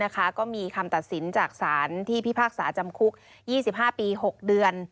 ก็มีคำตัดสินจากสารที่พิพากษาจำคุก๒๕ปี๖เดือน